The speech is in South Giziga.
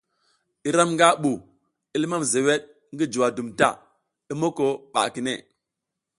Iram nga bu, i limam zewed ngi juwa dum ta, i moko ba kine.